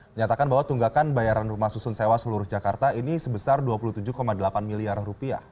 menyatakan bahwa tunggakan bayaran rumah susun sewa seluruh jakarta ini sebesar rp dua puluh tujuh delapan miliar